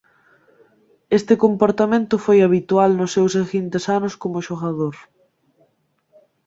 Este comportamento foi habitual nos seus seguintes anos como xogador.